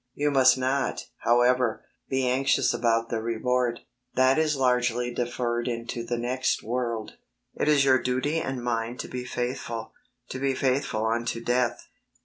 You must not, however, be anxious about HOLINESS AND DUTY 83 the reward. That is largely deferred into the next world. It is your duty and mine to be faithful, to be faithful unto death.